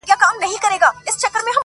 له سدیو تښتېدلی چوروندک دی!.